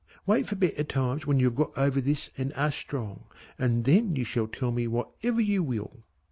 Wait for better times when you have got over this and are strong, and then you shall tell me whatever you will.